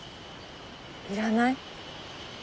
いらない？